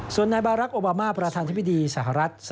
ส่วนนายบารักษ์โอบามาประธานธิบดีสหรัฐ